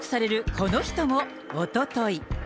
この人も、おととい。